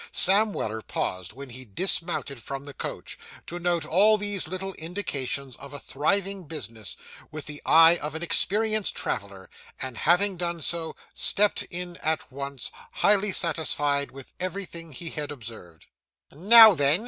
Sam Weller paused, when he dismounted from the coach, to note all these little indications of a thriving business, with the eye of an experienced traveller; and having done so, stepped in at once, highly satisfied with everything he had observed. 'Now, then!